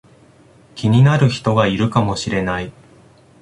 気になる人がいるかもしれない